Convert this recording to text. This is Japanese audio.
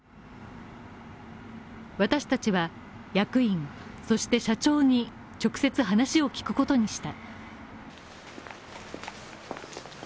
私達は役員、そして社長に直接話を聞くことにした。